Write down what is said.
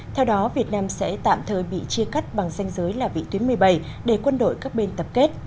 theo đó việt nam sẽ tạm thời bị chia cắt bằng danh giới là vị tuyến một mươi bảy để quân đội các bên tập kết